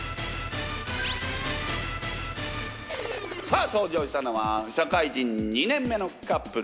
さあ登場したのは社会人２年目のカップル。